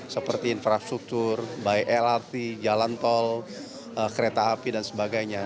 seperti infrastruktur baik lrt jalan tol kereta api dan sebagainya